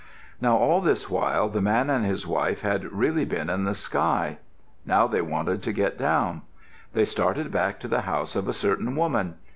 Now all this while the man and his wife had really been in the sky. Now they wanted to get down. They started back to the house of a certain woman.